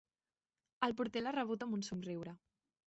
El porter l'ha rebut amb un somriure.